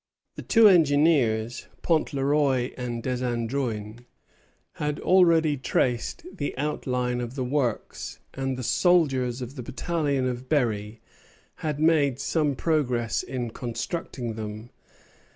The two engineers, Pontleroy and Desandrouin, had already traced the outline of the works, and the soldiers of the battalion of Berry had made some progress in constructing them.